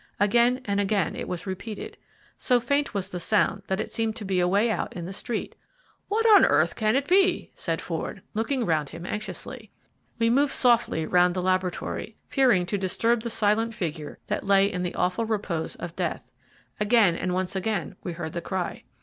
Again and again it was repeated. So faint was the sound that it seemed to be away out in the street. "What on earth can it be?" said Ford looking round him anxiously. We moved softly round the laboratory, fearing to disturb the silent figure that lay in the awful repose of death. Again and once again we heard the cry.